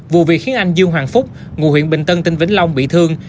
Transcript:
vụ việc khiến anh dương hoàng phúc ngụ huyện bình tân tỉnh vĩnh long bị thương